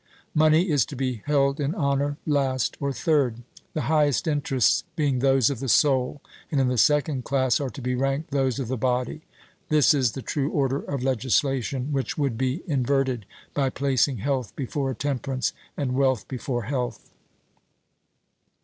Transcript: Money is to be held in honour last or third; the highest interests being those of the soul, and in the second class are to be ranked those of the body. This is the true order of legislation, which would be inverted by placing health before temperance, and wealth before health.